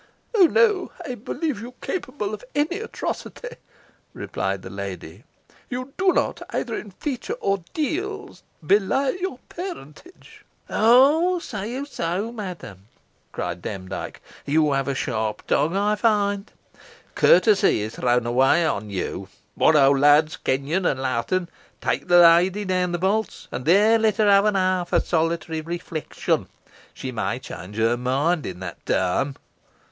"Oh! no, I believe you capable of any atrocity," replied the lady. "You do not, either in feature or deeds, belie your parentage." "Ah! say you so, madam?" cried Demdike. "You have a sharp tongue, I find. Courtesy is thrown away upon you. What, ho! lads Kenyon and Lowton, take the lady down to the vaults, and there let her have an hour for solitary reflection. She may change her mind in that time."